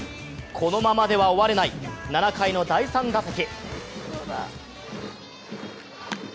このままでは終われない７回の第３打席。